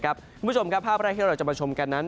คุณผู้ชมครับภาพแรกที่เราจะมาชมกันนั้น